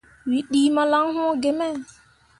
Wǝ ɗii malan wũũ gime.